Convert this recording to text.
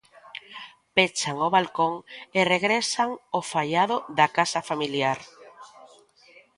Pechan o balcón e regresan ó faiado da casa familiar.